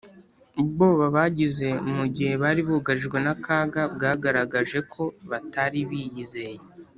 ubwoba bagize mu gihe bari bugarijwe n’akaga bwagaragaje ko batari bizeye